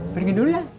pergi dulu ya